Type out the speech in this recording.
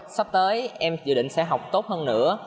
sắp tới em dự định sẽ học tốt hơn nữa